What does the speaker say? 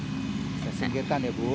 bisa singkirkan ya bu